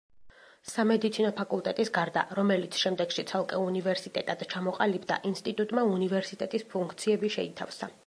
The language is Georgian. სამედიცინო ფაკულტეტის გარდა, რომელიც შემდეგში ცალკე უნივერსიტეტად ჩამოყალიბდა, ინსტიტუტმა უნივერსიტეტის ფუნქციები შეითავსა.